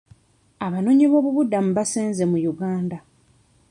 Abanoonyiboobubudamu baasenze mu Uganda.